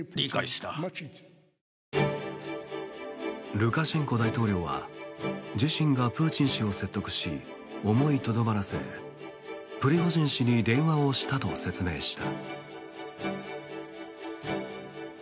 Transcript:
ルカシェンコ大統領は自身がプーチン氏を説得し思いとどまらせプリゴジン氏に電話をしたと説明した。